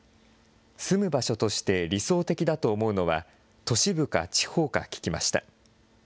住む場所として理想的だと思うのは、都市部か地方か聞きました。